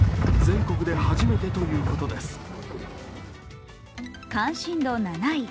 全国で初めてということです。